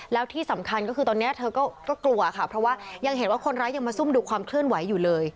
แล้วที่สำคัญก็คือตอนนี้เธอก็กลัวค่ะเพราะว่ายังเห็นว่าคนร้ายยังมาซุ่มดูความเคลื่อนไหวอยู่เลย